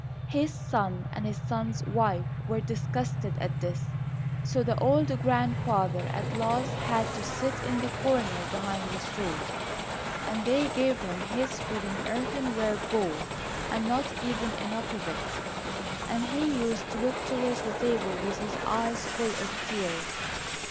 His son and his son's wife were disgusted at this, so the old grandfather at last had to sit in the corner behind the stove, and they gave him his food in an earthenware bowl, and not even enough of it. And he used to look towards the table with his eyes full of tears.